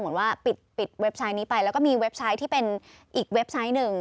เหมือนว่าปิดเว็บไซต์นี้ไปแล้วก็มีเว็บไซต์ที่เป็นอีกเว็บไซต์หนึ่ง